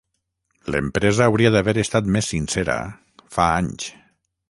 L'empresa hauria d'haver estat més sincera, fa anys.